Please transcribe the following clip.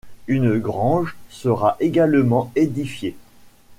Une grange sera également édifiée.